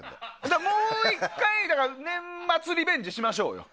もう１回年末リベンジしましょうよ。